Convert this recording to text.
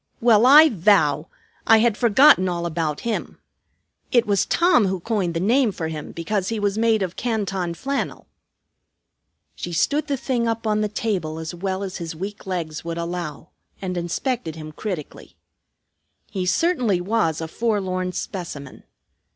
"Well, I vow! I had forgotten all about him. It was Tom who coined the name for him because he was made of Canton flannel." She stood the thing up on the table as well as his weak legs would allow, and inspected him critically. He certainly was a forlorn specimen.